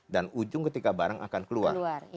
dan ujung ketika barang akan keluar